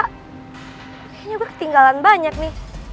kayaknya gue ketinggalan banyak nih